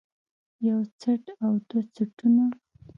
يو څټ او دوه څټونه